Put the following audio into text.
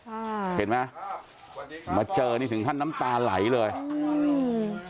อ่าเห็นมั้ยมาเจอนี่ถึงคะน้ำตาไหลเลยอืม